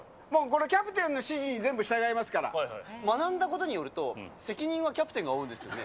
キャプテンの指示に全部従い学んだことによると、責任はキャプテンが負うんですよね。